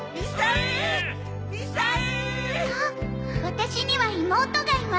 「ワタシには妹がいます」